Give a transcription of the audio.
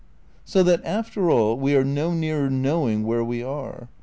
So that, after all, we are no nearer knowing where we are.